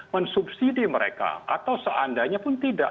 mensubsidi mereka atau seandainya pun tidak